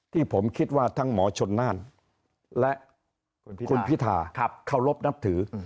ที่ผมคิดว่าทั้งหมอชนน่านและคุณพิธาเคารพนับถือ